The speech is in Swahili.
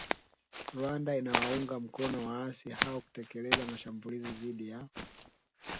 Rwanda inawaunga mkono waasi hao kutekeleza mashambulizi dhidi ya